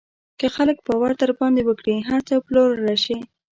که خلک باور در باندې وکړي، هر څه پلورلی شې.